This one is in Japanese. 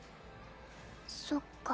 そっか。